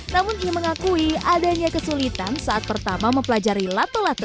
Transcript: namun ia mengakui adanya kesulitan saat pertama mempelajari lato lato